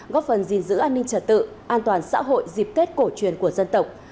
góp phần gìn giữ an ninh trật tự an toàn xã hội dịp tết cổ truyền của dân tộc